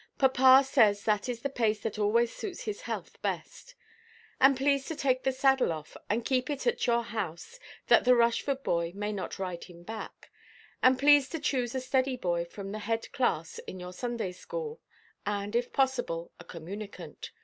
Papa says that is the pace that always suits his health best. And please to take the saddle off, and keep it at your house, that the Rushford boy may not ride him back. And please to choose a steady boy from the head–class in your Sunday school, and, if possible, a communicant.